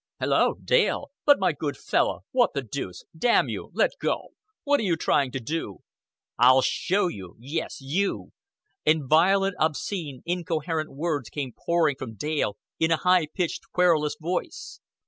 "Halloa! Dale? But, my good fellow, what the deuce Damn you, let go. What are you trying to " "I'll show you. Yes, you" and violent, obscene, incoherent words came pouring from Dale in a high pitched querulous voice.